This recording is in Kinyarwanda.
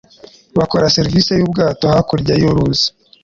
Bakora serivisi yubwato hakurya y'uruzi.